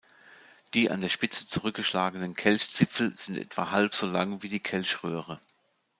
Die an der Spitze zurückgeschlagenen Kelchzipfel sind etwa halb so lang wie die Kelchröhre.